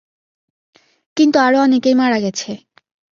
কিন্তু আরো অনেকেই মারা গেছে।